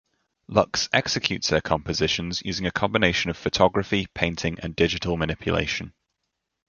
Lux executes her compositions using a combination of photography, painting and digital manipulation.